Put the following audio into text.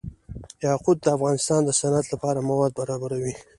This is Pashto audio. یاقوت د افغانستان د صنعت لپاره مواد برابروي.